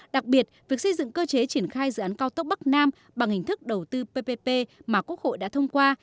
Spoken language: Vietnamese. đặc biệt việc xây dựng cơ chế triển khai dự án cao tốc bắc nam bằng hình thức đầu tư ppp mà quốc hội đã thông qua